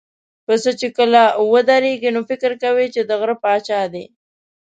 پسه چې کله ودرېږي، نو فکر کوي چې د غره پاچا دی.